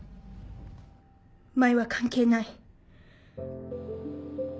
舞は関係ない。